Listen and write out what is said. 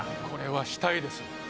これはしたいです。